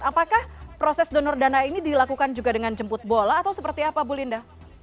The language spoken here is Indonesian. apakah proses donor dana ini dilakukan juga dengan jemput bola atau seperti apa bu linda